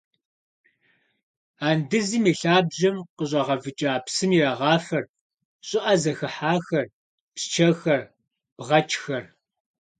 Андызым и лъабжьэм къыщӏагъэвыкӏа псым ирагъафэрт щӏыӏэ зыхыхьахэр, псчэхэр, бгъэчхэр.